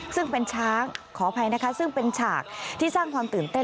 ซึ่งเป็นช้างขออภัยนะคะซึ่งเป็นฉากที่สร้างความตื่นเต้น